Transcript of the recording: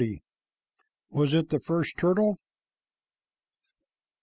WAS IT THE FIRST TURTLE?